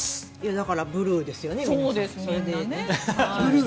だからブルーです。